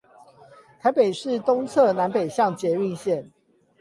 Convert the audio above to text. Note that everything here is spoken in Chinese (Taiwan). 台北市東側南北向捷運線